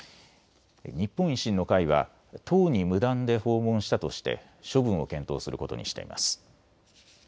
日本維新の会は党に無断で訪問したとして処分を検討することにしています。